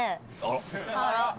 あら。